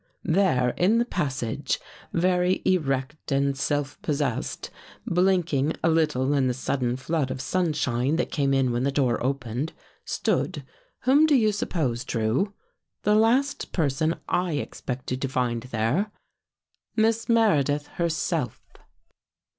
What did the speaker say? " There in the passage, very erect and self pos sessed, blinking a little in the sudden flood of sun shine that came in when the door opened, stood — whom do you suppose, Drew? — the last person I expected to find there — Miss Meredith herself.